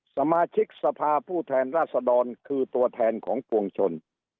สมาชิกสภาผู้แทนราษดรคือตัวแทนของปวงชน